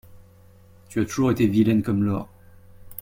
Tu as toujours été vilaine comme l'or.